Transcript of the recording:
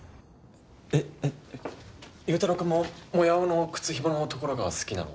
えっ優太郎くんもモヤオの靴ヒモのところが好きなの？